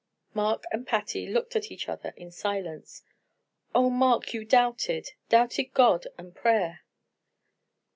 Mark and Patty looked at each other in silence. "Oh, Mark! you doubted doubted God and prayer!"